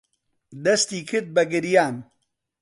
دەستی کرد بە گریان.